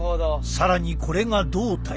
更にこれが胴体。